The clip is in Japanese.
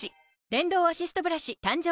電動アシストブラシ誕生